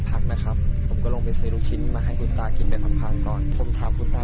แต่ไม่เคยมีปีไหนเลยที่ลูกทั้ง๕คนจะกลับบ้าน